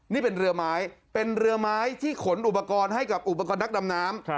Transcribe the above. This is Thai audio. นี่เป็นเรือไม้เป็นเรือไม้ที่ขนอุปกรณ์ให้กับอุปกรณ์นักดำน้ำ